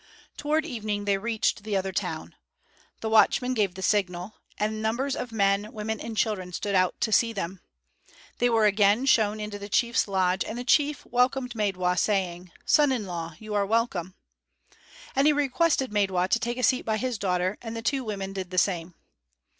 Toward evening they reached the other town. The watchman gave the signal, and numbers of men, women and children stood out to see them. They were again shown into the chief's lodge, and the chief welcomed Maidwa, saying: "Son in law, you are welcome." And he requested Maidwa to take a seat by his daughter, and the two women did the same.